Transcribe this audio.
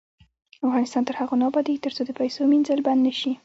افغانستان تر هغو نه ابادیږي، ترڅو د پیسو مینځل بند نشي.